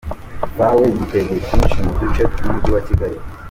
Fawe yitegeye twinshi mu duce tw'umujyi wa Kigali.